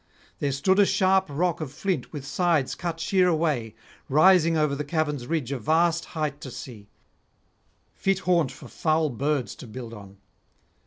There stood a sharp rock of flint with sides cut sheer away, rising over the cavern's ridge a vast height to see, fit haunt for foul birds to build on.